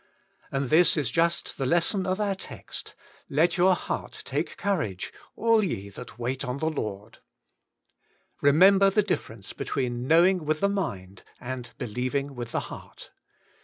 And this is just the lesson of our text, * Let your heart take courage, all ye that wait on the Lord.' Remember the difference between knowing with the mind and believing with the heart.